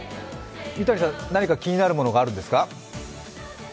三谷さん、何か気になるものがあるんですか？